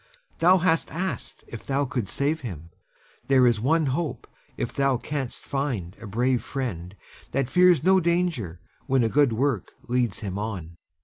Thou hast asked if thou couldst save him. There is one hope, if thou canst find a brave friend that fears no danger when a good work leads him on.